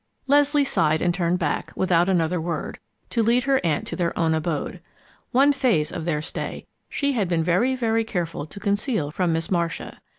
Leslie sighed and turned back, without another word, to lead her aunt to their own abode. One phase of their stay she had been very, very careful to conceal from Miss Marcia.